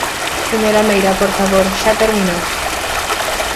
Señora Meira, por favor, xa terminou.